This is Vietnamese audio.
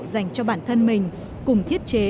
dành cho bản thân mình cùng thiết chế